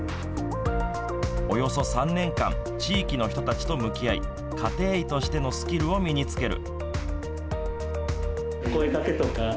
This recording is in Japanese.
およそ３年間地域の人たちと向き合い家庭医としてのスキルを身につける。